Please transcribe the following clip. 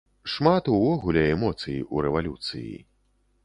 Шмат, увогуле, эмоцый у рэвалюцыі.